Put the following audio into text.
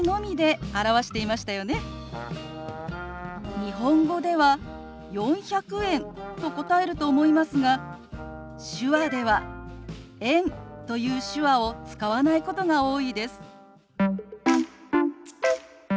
日本語では「４００円」と答えると思いますが手話では「円」という手話を使わないことが多いです。